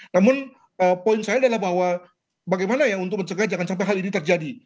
namun poin saya adalah bahwa bagaimana ya untuk mencegah jangan sampai hal ini terjadi